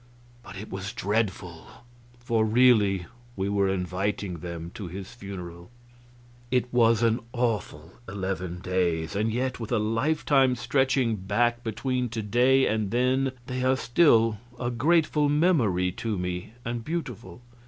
But it was dreadful, for really we were inviting them to his funeral. It was an awful eleven days; and yet, with a lifetime stretching back between to day and then, they are still a grateful memory to me, and beautiful.